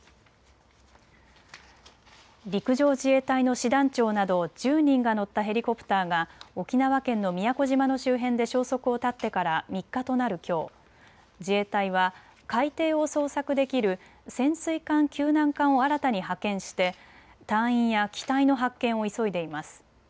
陸上自衛隊の師団長など１０人が乗ったヘリコプターが沖縄県の宮古島の周辺で消息を絶ってから３日となるきょう、自衛隊は海底を捜索できる潜水艦救難艦を新たに派遣して隊員や機体の発見を急いでいます。